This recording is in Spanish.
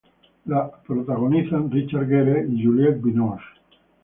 La protagonizan Richard Gere, Juliette Binoche.